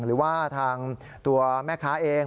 หรือว่าทางตัวแม่ค้าเอง